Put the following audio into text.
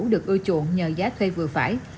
được ưa chuộng nhờ giá thuê vừa phải